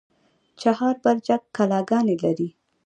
چهار برجک کلاګانې لري؟